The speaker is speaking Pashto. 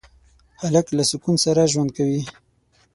هلک له سکون سره ژوند کوي.